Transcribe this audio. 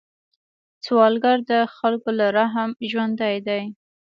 سوالګر د خلکو له رحم ژوندی دی